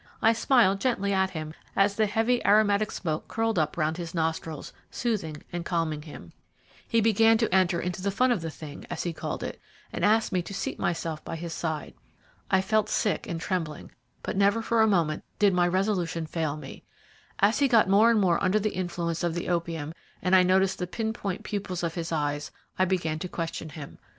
I smiled gently at him as the heavy aromatic smoke curled up round his nostrils, soothing and calming him. He began to enter into the fun of the thing, as he called it, and asked me to seat myself by his side. I felt sick and trembling, but never for a moment did my resolution fail me. As he got more and more under the influence of the opium, and I noticed the pin point pupils of his eyes, I began to question him.